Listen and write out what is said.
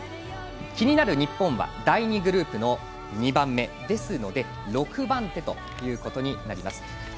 気になる日本は第２グループの２番目ですので６番手となります。